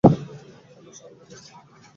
আপনারা সর্বদাই ব্যস্ত দেখতে পাই।